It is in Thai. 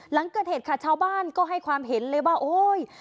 หลังเกิดเหตุค่ะชาวบ้านก็ให้ความเห็นเลยว่าโอ๊ย